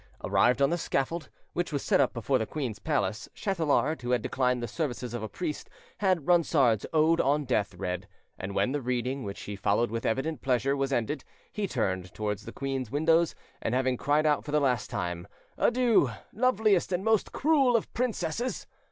Arrived on the scaffold, which was set up before the queen's palace, Chatelard, who had declined the services of a priest, had Ronsard's Ode on Death read; and when the reading, which he followed with evident pleasure, was ended, he turned—towards the queen's windows, and, having cried out for the last time, "Adieu, loveliest and most cruel of princesses!"